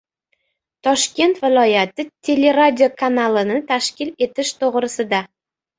Toshkent viloyati teleradiokanalini tashkil etish to‘g‘risida